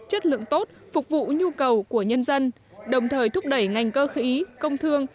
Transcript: chất lượng tốt phục vụ nhu cầu của nhân dân đồng thời thúc đẩy ngành cơ khí công thương